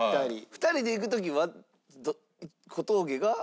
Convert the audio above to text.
２人で行く時は小峠が？